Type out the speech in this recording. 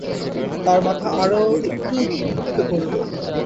তাঁর মাথা আরো একটু বুকে পড়ল।